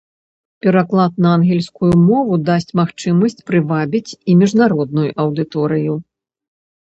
Пераклад на ангельскую мову дасць магчымасць прывабіць і міжнародную аўдыторыю.